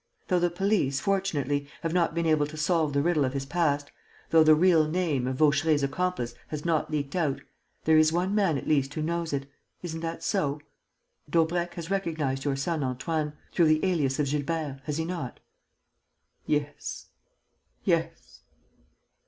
Though the police, fortunately, have not been able to solve the riddle of his past, though the real name of Vaucheray's accomplice has not leaked out, there is one man, at least, who knows it: isn't that so? Daubrecq has recognized your son Antoine, through the alias of Gilbert, has he not?" "Yes, yes...."